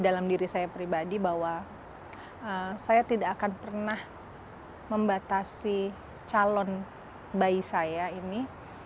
dalam diri saya pribadi bahwa saya tidak akan pernah membatasi calon bayi saya ini